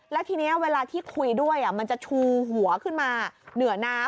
แล้วทีนี้เวลาที่คุยด้วยมันจะชูหัวขึ้นมาเหนือน้ำ